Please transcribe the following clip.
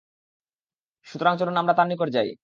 সুতরাং চলুন আমরা তার নিকট যাই।